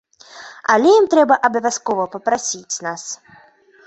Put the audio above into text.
Але ім трэба абавязкова папрасіць нас.